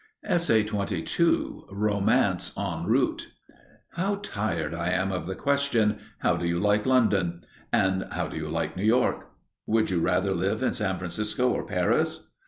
*Romance En Route* How tired I am of the question, "How do you like London?" and "How do you like New York?" "Would you rather live in San Francisco or Paris?"